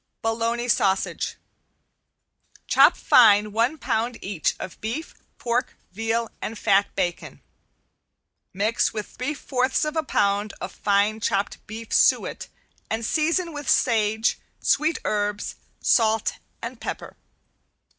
~BOLOGNA SAUSAGE~ Chop fine one pound each of beef, pork, veal and fat bacon. Mix with three fourths of a pound of fine chopped beef suet and season with sage, sweet herbs, salt and pepper.